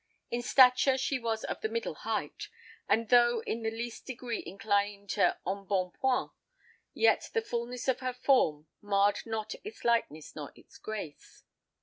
In stature she was of the middle height; and, though in the least degree inclining to embonpoint, yet the fulness of her form marred not its lightness nor its grace.